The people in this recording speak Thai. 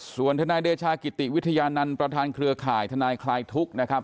ส่วนทนายเดชากิติวิทยานันต์ประธานเครือข่ายทนายคลายทุกข์นะครับ